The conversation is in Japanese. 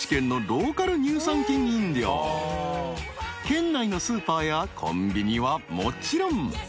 ［県内のスーパーやコンビニはもちろん］